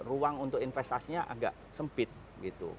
ruang untuk investasinya agak sempit gitu